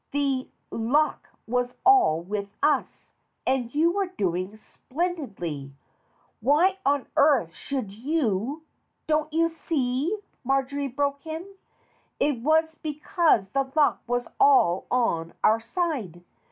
The luck was all with us, and you were doing splendidly. Why on earth should you ?" "Don't you see?" Marjory broke in. "It was be cause the luck was all on our side.